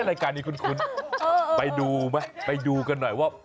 รายการนี้คุ้นไปดูไหมไปดูกันหน่อยว่า